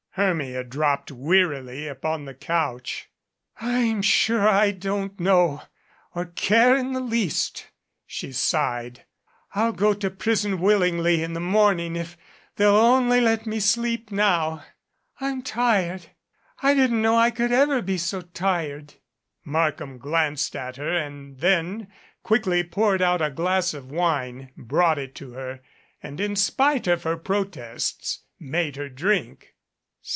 Hermia dropped wearily upon the couch. "I'm sure I don't know or care in the least," she sighed. "I'll go to prison willingly in the morning if they'll only let me sleep now. I'm tired. I didn't know I could ever be so tired." Markham glanced at her and then quickly poured out a glass of wine, brought it to her, and in spite of her pro tests made her drink.